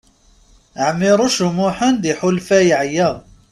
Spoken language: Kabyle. Ɛmiṛuc U Muḥ iḥulfa yeɛya.